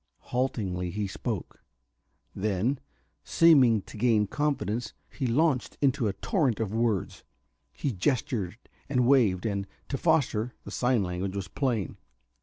Haltingly he spoke. Then, seeming to gain confidence, he launched into a torrent of words. He gestured and waved, and, to Foster, the sign language was plain.